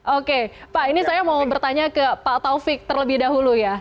oke pak ini saya mau bertanya ke pak taufik terlebih dahulu ya